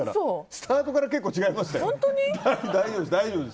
スタートから結構違いますよ。